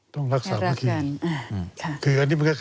ต้องรักษาวิธี